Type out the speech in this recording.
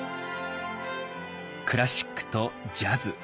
クラシックとジャズ。